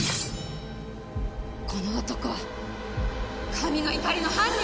この男は神の怒りの犯人！